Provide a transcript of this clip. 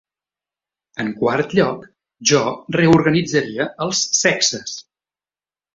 En quart lloc, jo reorganitzaria els sexes.